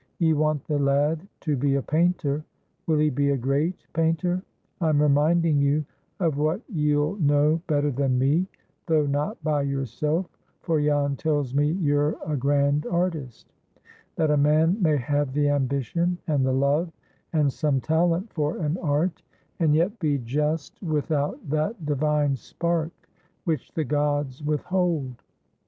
Ye want the lad to be a painter. Will he be a great painter? I'm reminding you of what ye'll know better than me (though not by yourself, for Jan tells me you're a grand artist), that a man may have the ambition and the love, and some talent for an art, and yet be just without that divine spark which the gods withhold.